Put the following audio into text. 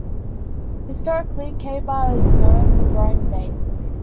Historically, Khaybar is known for growing dates.